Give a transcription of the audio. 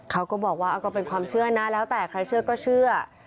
เขาก็บอกว่าก็เป็นความเชื่อนะแล้วแต่ใครเชื่อก็เชื่อ